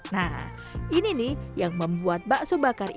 nah ini nih yang membuat bakso bakar ini